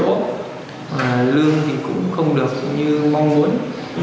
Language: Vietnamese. lương thì cũng không được như mong muốn